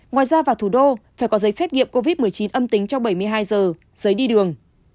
ngoài ra vào thủ đô phải có giấy xét nghiệm covid một mươi chín âm tính trong bảy mươi hai giờ giấy đi đường